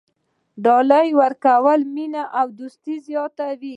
ډالۍ ورکول مینه او دوستي زیاتوي.